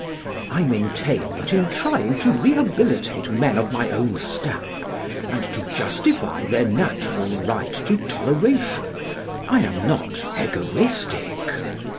I maintain that in trying to rehabilitate men of my own stamp and to justify their natural right to toleration I am not egoistic.